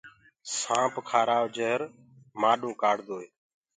سآنٚپ کآرآئو جهر مآڏو ڪآڙدوئي